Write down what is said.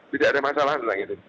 tidak ada masalah tentang itu